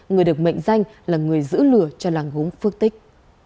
người được mệnh danh là người giữ lửa cho làng gốm phước tích